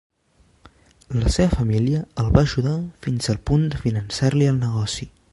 La seva família el va ajudar fins al punt de finançar-li el negoci.